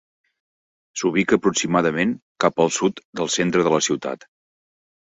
S'ubica aproximadament cap al sud del centre de la ciutat.